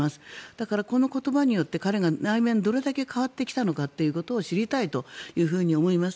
だからこの言葉によって彼が内面、どれだけ変わってきたのかということも知りたいというふうに思います。